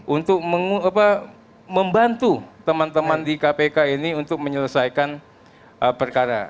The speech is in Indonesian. untuk membantu teman teman di kpk ini untuk menyelesaikan perkara